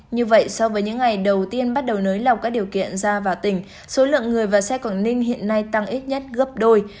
như vậy so với những ngày đầu tiên bắt đầu nới lỏng các điều kiện ra vào tỉnh số lượng người và xe quảng ninh hiện nay tăng ít nhất gấp đôi